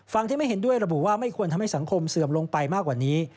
ฝั่งที่ไม่เห็นด้วยระบุว่าไม่ควรทำให้สังคมเสื่อมลงไปมากกว่านี้